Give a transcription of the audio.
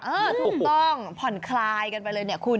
ถูกต้องผ่อนคลายกันไปเลยเนี่ยคุณ